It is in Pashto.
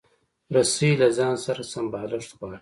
رسۍ له ځان سره سمبالښت غواړي.